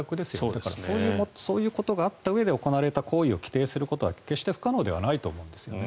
だからそういうことがあったうえで行われた行為を規定することは不可能ではないと思います。